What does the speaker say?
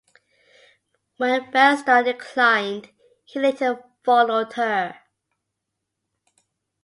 When Belle Starr declined, he later followed her.